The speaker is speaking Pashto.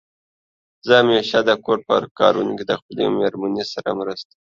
زه همېشه دکور په کارونو کې د خپلې مېرمنې سره مرسته کوم.